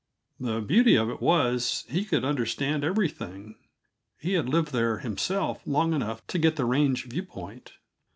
The beauty of it was, he could understand everything; he had lived there himself long enough to get the range view point.